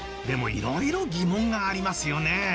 いろいろ疑問がありますよね。